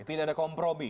tidak ada kompromi